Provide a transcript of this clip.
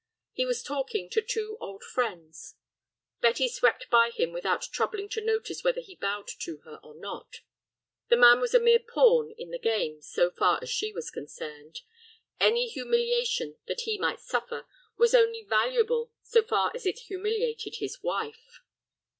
He was talking to two old friends. Betty swept by him without troubling to notice whether he bowed to her or not. The man was a mere pawn in the game so far as she was concerned. Any humiliation that he might suffer was only valuable so far as it humiliated his wife.